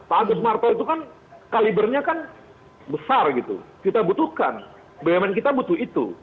pak agus marto itu kan kalibernya kan besar gitu kita butuhkan bumn kita butuh itu